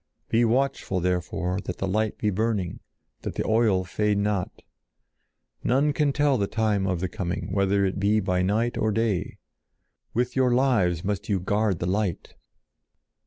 Be watchful, therefore, that the light be burning, that the oil fade not. None can tell the time of the coming, whether it be by night or day. With your lives must you guard the light!"